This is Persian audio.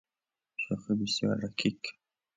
شوخی بسیار رکیک